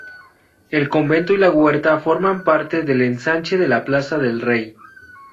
El convento y la huerta forman parte del ensanche de la plaza del Rey.